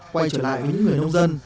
quay trở lại với những người nông dân